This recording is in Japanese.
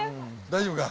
大丈夫か？